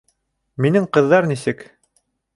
Минең ҡыҙҙар нисек?